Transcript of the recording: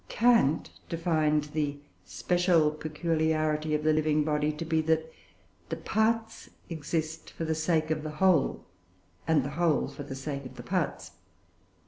Kant defined the special peculiarity of the living body to be that the parts exist for the sake of the whole and the whole for the sake of the parts.